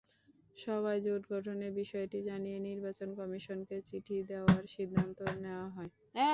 সভায় জোট গঠনের বিষয়টি জানিয়ে নির্বাচন কমিশনকে চিঠি দেওয়ার সিদ্ধান্ত নেওয়া হয়।